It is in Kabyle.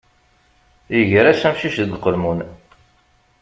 Iger-as amcic deg uqelmun.